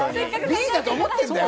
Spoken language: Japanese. Ｂだと思ってんだよ